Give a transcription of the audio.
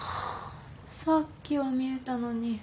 さっきは見えたのに。